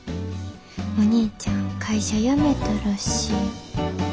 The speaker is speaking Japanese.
「お兄ちゃん会社辞めたらしい」。